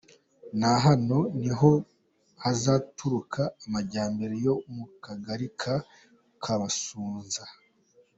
Na hano ni ho hazaturuka amajyambere yo mu Kagari ka Kabusanza.